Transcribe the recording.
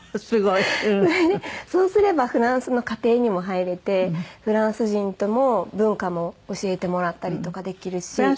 それでそうすればフランスの家庭にも入れてフランス人とも文化も教えてもらったりとかできるし。